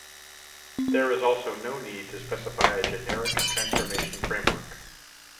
There is also no need to specify a generic transformation framework.